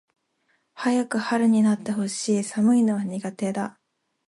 早く春になって欲しい。寒いのは苦手だ。